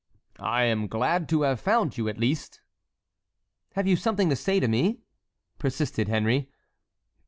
"I am glad to have found you, at least." "Have you something to say to me?" persisted Henry.